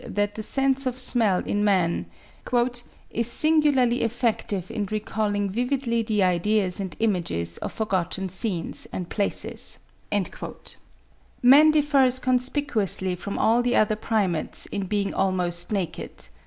that the sense of smell in man "is singularly effective in recalling vividly the ideas and images of forgotten scenes and places." Man differs conspicuously from all the other primates in being almost naked.